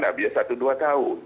tidak biasa satu dua tahun